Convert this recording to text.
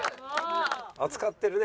扱ってるね